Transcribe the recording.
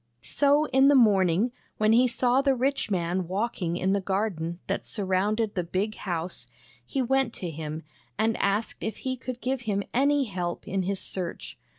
So in the morning, when he saw the rich man walking in the garden that surrounded the big house, he went to him, and asked if he could give him any help in his search.